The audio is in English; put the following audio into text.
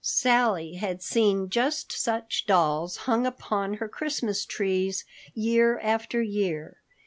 Sally had seen just such dolls hung upon her Christmas trees year after year.